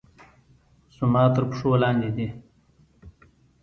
زما تر پښو لاندې دي